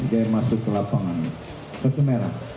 dia masuk ke lapangan kartu merah